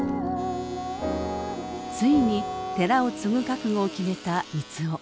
ついに寺を継ぐ覚悟を決めた三生。